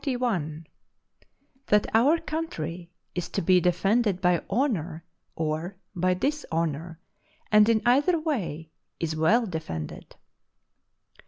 —_That our Country is to be defended by Honour or by Dishonour; and in either way is well defended.